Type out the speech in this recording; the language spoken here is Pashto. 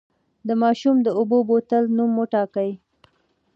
د ماشوم د اوبو بوتل نوم وټاکئ.